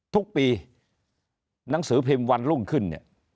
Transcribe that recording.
ทุกปีนังสือพิมพ์วันรุ่งขึ้น